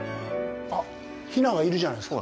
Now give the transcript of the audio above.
あっ、ひながいるじゃないですか。